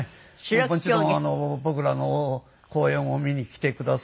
もちろん僕らの公演を見に来てくださった。